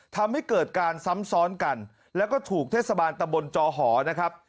ทำให้เกิดการซ้ำซ้อนกันแล้วก็ถูกเทศบาลตะบนจอหอนะครับ